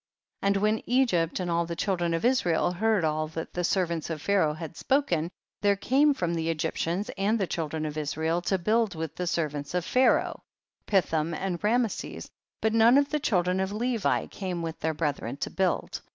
20. And when Egypt and all the children of Israel heard all that the servants of Pharaoh had spoken, there came from the Egj'ptians and the children of Israel to build with the servants of Pharaoh, Pithom and Rameses, but none of the children of Levi came with their brethren to build.